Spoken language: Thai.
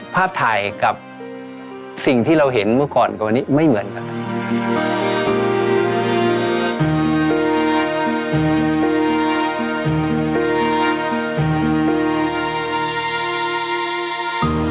ภาพถ่ายกับสิ่งที่เราเห็นเมื่อก่อนก็วันนี้ไม่เหมือนกัน